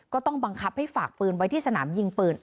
ก็ต้องบังคับให้ฝากปืนไว้ที่สนามยิงปืน